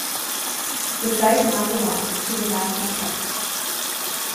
The site now belongs to the National Trust.